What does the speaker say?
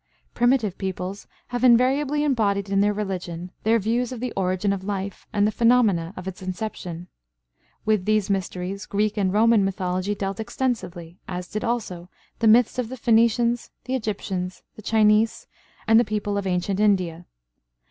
Primitive peoples have invariably embodied in their religion their views of the origin of life and the phenomena of its inception. With these mysteries Greek and Roman mythology dealt extensively, as did also the myths of the Phoenicians, the Egyptians, the Chinese, and the people of ancient India.